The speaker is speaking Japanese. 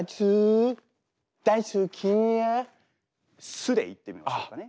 「す」で言ってみましょうかね。